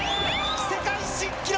世界新記録！